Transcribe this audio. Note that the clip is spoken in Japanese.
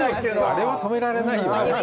誰も止められないよね。